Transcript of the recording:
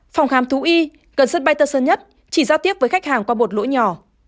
phòng khám thú y cần sân bay tân sân nhất chỉ giao tiếp với khách hàng qua một lỗ nhỏ